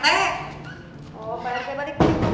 bener pak rt